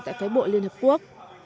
tại phái bộ liên hợp quốc